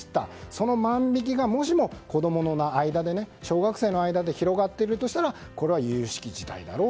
その万引きがもしも子供の間、小学生の間で広がっているとしたらこれは、ゆゆしき事態だろう。